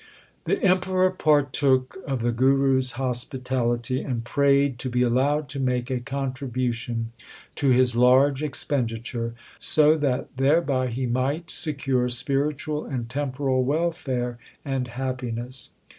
1 The Emperor partook of the Guru s hospitality, and prayed to be allowed to make a contribution to his large expenditure, so that thereby he might secure spiritual and temporal welfare and happiness.